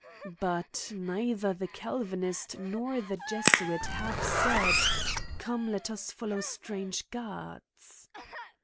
— But neither the Calvinist nor the. Jesuit have said :— Come let us follow strange gods.